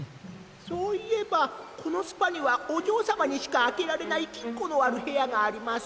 そういえばこのスパにはおじょうさまにしかあけられないきんこのあるへやがあります。